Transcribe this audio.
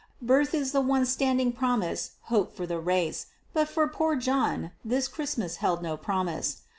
Birth is the one standing promise hope for the race, but for poor John this Christmas held no promise.